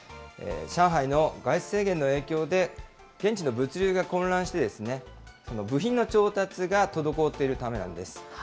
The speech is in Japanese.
上海の外出制限の影響で、現地の物流が混乱して、部品の調達が滞っているためなんです。